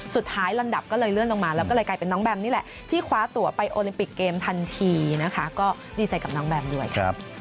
ลำดับก็เลยเลื่อนลงมาแล้วก็เลยกลายเป็นน้องแบมนี่แหละที่คว้าตัวไปโอลิมปิกเกมทันทีนะคะก็ดีใจกับน้องแบมด้วย